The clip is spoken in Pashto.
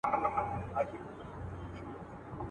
نه نه غلط سوم وطن دي چین دی.